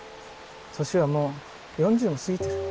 年はもう４０も過ぎてる。